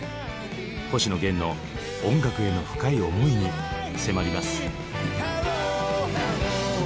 星野源の音楽への深い思いに迫ります。